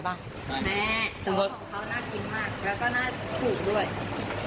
แต่ว่าของเขาน่ากินมากแล้วก็น่าถูกด้วย